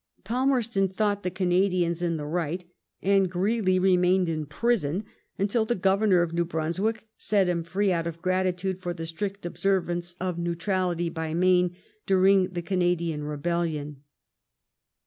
Palmerston thought the Canadians in the right, and Oreely remained in prison, until the Oovemor of New Brunswick set him free out of gratitude for the strict observance of neutrality by Maine during the Cana dian rebellion.